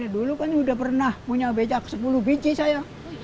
dulu kan udah pernah punya becak sepuluh biji saya